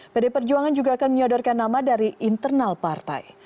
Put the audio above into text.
pdi perjuangan juga akan menyodorkan nama dari internal partai